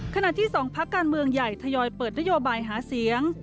ที่๒พักการเมืองใหญ่ทยอยเปิดนโยบายหาเสียง